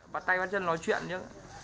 bắt tay bắt chân nói chuyện nhé